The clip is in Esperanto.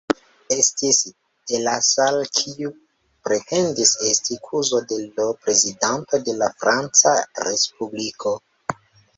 Estis Delasar, kiu pretendis esti kuzo de l' Prezidanto de la Franca Respubliko.